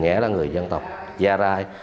thì hờ nhã là người dân tộc gia rai